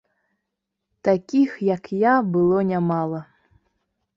Такіх, як я, было нямала.